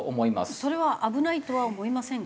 それは危ないとは思いませんか？